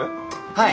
はい。